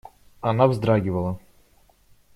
Она вздрагивала.